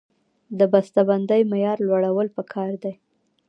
د بسته بندۍ معیار لوړول پکار دي